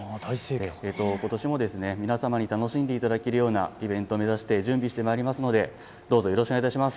ことしも皆様に楽しんでいただけるようなイベントを目指して準備してまいりますのでどうぞよろしくお願いいたします。